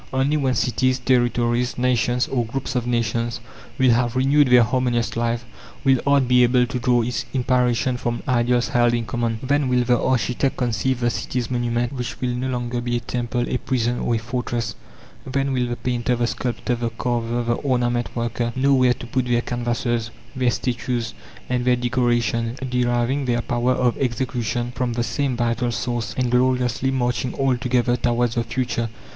Only when cities, territories, nations, or groups of nations, will have renewed their harmonious life, will art be able to draw its inspiration from ideals held in common. Then will the architect conceive the city's monument which will no longer be a temple, a prison, or a fortress; then will the painter, the sculptor, the carver, the ornament worker know where to put their canvases, their statues, and their decoration; deriving their power of execution from the same vital source, and gloriously marching all together towards the future.